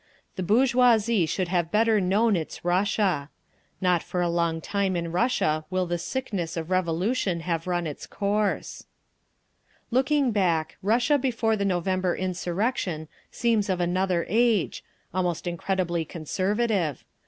The bourgeoisie should have better known its Russia. Not for a long time in Russia will the "sickness" of Revolution have run its course…. Looking back, Russia before the November insurrection seems of another age, almost incredibly conservative.